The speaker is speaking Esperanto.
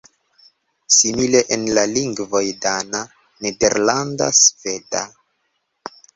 Simile en la lingvoj dana, nederlanda, sveda.